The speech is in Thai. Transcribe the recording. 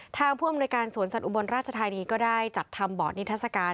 ผู้อำนวยการสวนสัตว์อุบลราชธานีก็ได้จัดทำบอร์ดนิทัศกาล